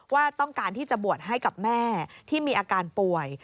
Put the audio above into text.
ว่าต้องการที่จะบวชให้กับแม่ที่มีอาการป่วย